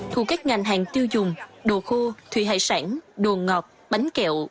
thu các ngành hàng tiêu dùng đồ khô thủy hải sản đồ ngọt bánh kẹo